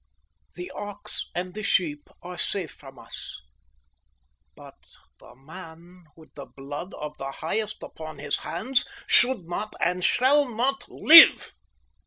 The ox and the sheep are safe from us, but the man with the blood of the highest upon his hands should not and shall not live."